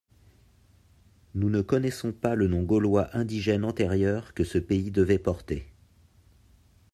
Nous ne connaissons pas le nom gaulois indigène antérieur que ce pays devait porter.